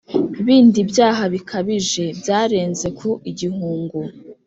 bindi byaha bikabije byarenze ku igihungu